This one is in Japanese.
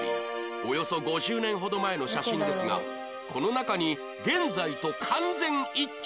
およそ５０年ほど前の写真ですがこの中に現在と完全一致する部分も